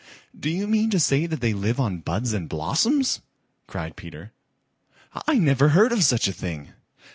"Do you mean to say that they live on buds and blossoms?" cried Peter. "I never heard of such a thing."